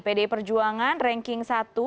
pd perjuangan ranking satu dua puluh tiga satu